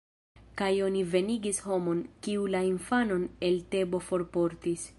Kaj oni venigis homon, kiu la infanon el Tebo forportis.